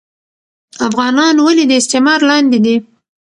افغانان ولي د استعمار لاندي دي